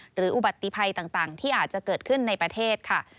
อุบัติภัยต่างที่อาจจะเกิดขึ้นในประเทศค่ะ